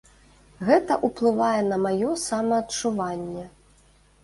Гэта ўплывае на маё самаадчуванне.